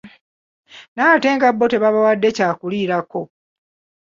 Naye ate nga bo tebabawadde kyakulabirako.